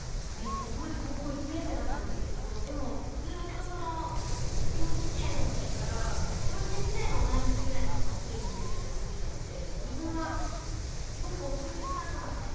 当時高校１年生だったんですけどでもずっと幼稚園の時から幼稚園時代の同い年ぐらいの子がテレビに出てるのを見てたので自分はすごく遅いスタートだって当時はすごく思ってました。